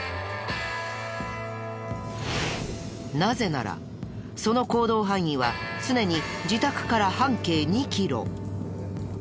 なぜならその行動範囲は常に自宅から半径２キロ。